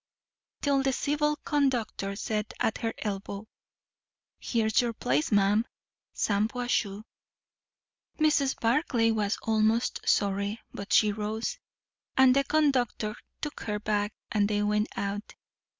Till the civil conductor said at her elbow "Here's your place, ma'am Shampuashuh." Mrs. Barclay was almost sorry, but she rose, and the conductor took her bag, and they went out.